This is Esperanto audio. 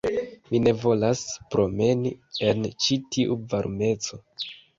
Mi ne volas promeni en ĉi tiu varmeco